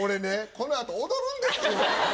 このあと踊るんですよ。